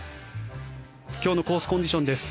今日のコースコンディションです。